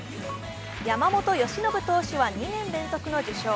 山本由伸投手は２年連続の受賞。